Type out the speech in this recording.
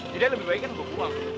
jadi lebih baik kan gue buang